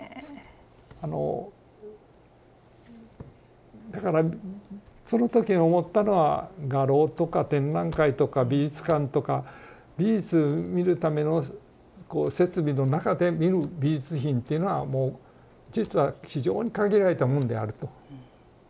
あのだからその時思ったのは画廊とか展覧会とか美術館とか美術見るための設備の中で見る美術品っていうのはもう実は非常に限られたもんであると。